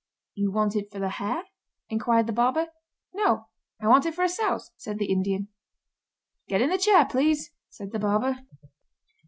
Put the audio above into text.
"You want it for the hair?" inquired the barber. "No, I want it for a souse," said the Indian. "Get in the chair, please!" said the barber.